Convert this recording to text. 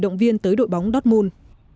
động viên tới đội bóng dortmund